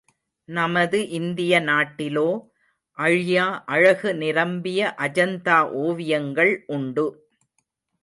நமது இந்திய நாட்டிலோ, அழியா அழகு நிரம்பிய அஜந்தா ஓவியங்கள் உண்டு.